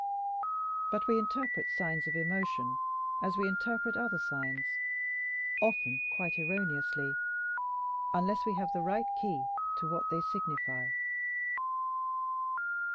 But we interpret signs of emotion as we interpret other signs often quite erroneously, unless we have the right key to what they signify.